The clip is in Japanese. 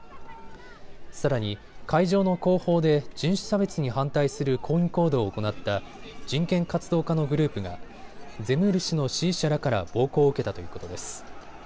さらに会場の後方で人種差別に反対する抗議行動を行った人権活動家のグループがゼムール氏の支持者らから暴行を受けたということです。